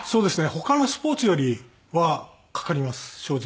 他のスポーツよりはかかります正直。